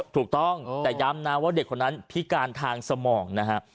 ถูกต้องแต่ย้ำนะว่าเด็กคนนั้นพิการทางสมองนะฮะ